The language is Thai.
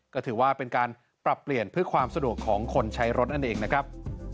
ก็ถือว่าเป็นการปรับเปลี่ยนเพื่อความสะดวกของคนใช้รถนั่นเองนะครับ